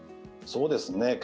そうですね。